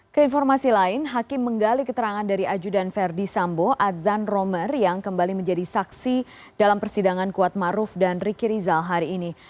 keinformasi lain hakim menggali keterangan dari ajudan verdi sambo adzan romer yang kembali menjadi saksi dalam persidangan kuatmaruf dan riki rizal hari ini